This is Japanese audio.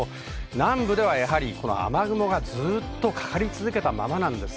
南部では雨雲がずっとかかり続けたままなんです。